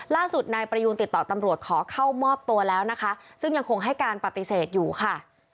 ล่าสุดนายประยูนติดต่อตำรวจขอเข้ามอบตัวแล้วนะคะซึ่งยังคงให้การปฏิเสธอยู่ค่ะ